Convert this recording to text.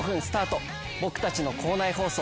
『僕たちの校内放送』